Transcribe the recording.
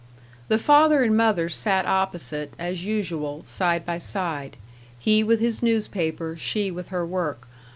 The father and mother sat opposite as usual, side by side, he with his newspaper, she with her work.